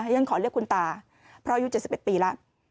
ยังขอเรียกคุณตาเพราะอยู่๗๑ปีละ